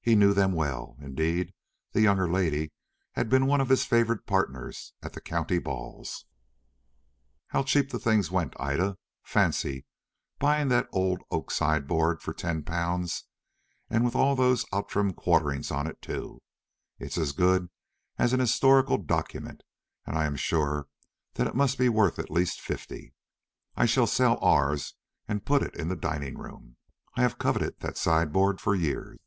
He knew them well; indeed, the younger lady had been one of his favourite partners at the county balls. "How cheap the things went, Ida! Fancy buying that old oak sideboard for ten pounds, and with all those Outram quarterings on it too! It is as good as an historical document, and I am sure that it must be worth at least fifty. I shall sell ours and put it into the dining room. I have coveted that sideboard for years."